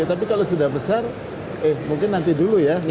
tapi kalau sudah besar eh mungkin nanti dulu ya